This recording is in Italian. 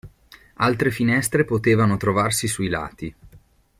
Altre finestre potevano trovarsi sui lati.